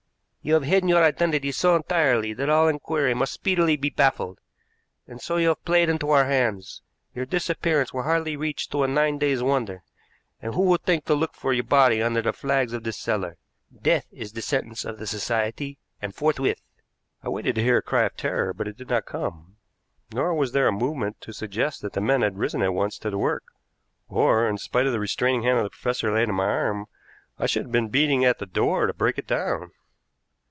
You have hidden your identity so entirely that all inquiry must speedily be baffled, and so you have played into our hands. Your disappearance will hardly reach to a nine days' wonder, and who will think to look for your body under the flags of this cellar? Death is the sentence of the Society, and forthwith." I waited to hear a cry of terror, but it did not come. Nor was there a movement to suggest that the men had risen at once to the work, or, in spite of the restraining hand the professor laid on my arm, I should have been beating at the door to break it down.